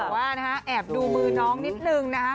แต่ว่านะฮะแอบดูมือน้องนิดนึงนะคะ